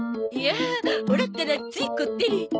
いやあオラったらついこってり。